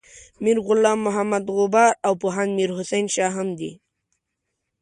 میر غلام محمد غبار او پوهاند میر حسین شاه هم دي.